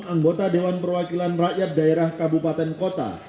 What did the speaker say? anggota dewan perwakilan rakyat daerah kabupaten kota